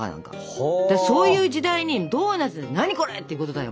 そういう時代にドーナツ何これ！ってことだよ。